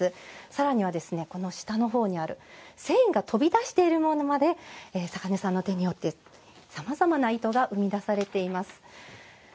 さらには、下のほうにある繊維が飛び出しているものまで坂根さんの手によってさまざまな糸が生み出されています。